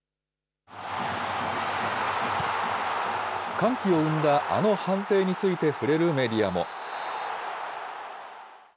歓喜を生んだあの判定について触れるメディアも。